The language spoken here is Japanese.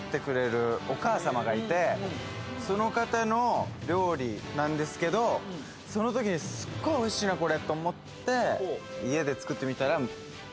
その方の料理なんですけどその時にスッゴいおいしいなこれと思って・わおいいね！